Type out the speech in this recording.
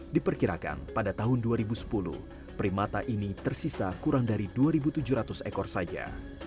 diperkirakan pada tahun dua ribu sepuluh primata ini tersisa kurang dari dua tujuh ratus ekor saja